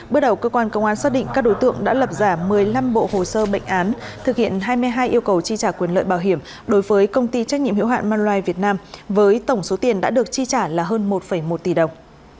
bước đầu cơ quan công an xác định các đối tượng đã lập giả một mươi năm bộ hồ sơ bệnh án thực hiện hai mươi hai yêu cầu chi trả quyền lợi bảo hiểm đối với công ty trách nhiệm hiệu hạn manulife việt nam với tổng số tiền đã được chi trả là hơn một một tỷ đồng